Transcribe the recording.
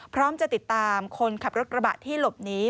พร้อมจะติดตามคนขับรถกระบะที่หลบหนี